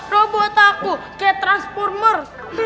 robot aku kayak transformer